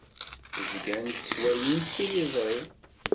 Zgant ttwalint tiliẓri.